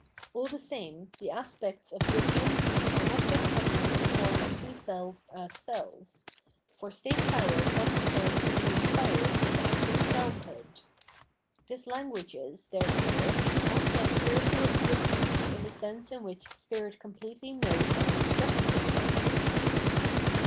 AU the same, the aspects of this unity are not yet present in the form of two selves as selves ; for state power comes first to be inspired with active self hood. This language is, therefore, not yet spiritual existence in the sense in which spirit com pletely knows and expresses itself.